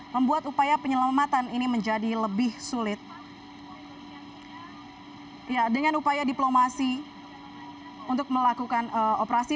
membuat upaya penyelamatan ini menjadi lebih sulit ya dengan upaya diplomasi untuk melakukan operasi